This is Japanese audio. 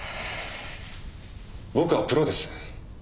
僕はプロです。